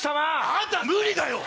あんた無理だよ！